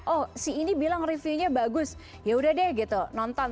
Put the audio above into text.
oh si ini bilang reviewnya bagus yaudah deh gitu nonton